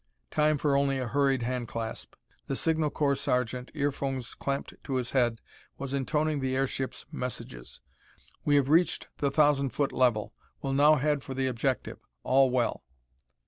Time for only a hurried handclasp. The signal corps sergeant, earphones clamped to his head, was intoning the airship's messages. "We have reached the thousand foot level. Will now head for the objective. All well."